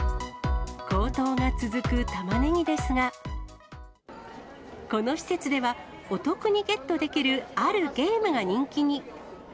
高騰が続くたまねぎですが、この施設では、お得にゲットできる、あるゲームが人気に。